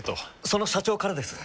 その社長からです。